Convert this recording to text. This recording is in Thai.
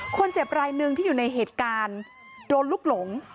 คนเจ็บรายหนึ่งที่อยู่ในเหตุการณ์โดนลุกหลง